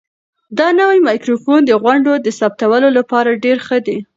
دا نوی مایکروفون د غونډو د ثبتولو لپاره ډېر ښه دی.